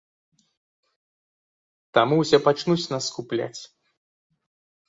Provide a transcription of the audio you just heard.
Таму ўсе пачнуць нас скупляць.